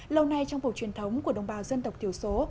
lâu nay trang phục truyền thống của đồng bào dân tộc thiểu số